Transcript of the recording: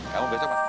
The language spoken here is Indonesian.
kamu besok masalah